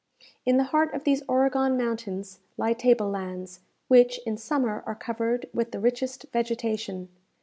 In the heart of these Oregon mountains lie table lands, which in summer are covered with the richest vegetation.